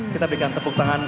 kita berikan tepuk tangan